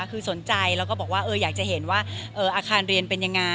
คือสนใจแล้วก็บอกว่าอยากจะเห็นว่าอาคารเรียนเป็นยังไง